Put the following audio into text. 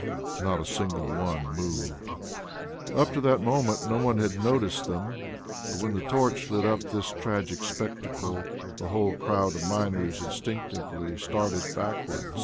Not a single one moved. Up to that moment no one had noticed them, but when the torch lit up this tragic spectacle the whole crowd of miners instinctively started backward.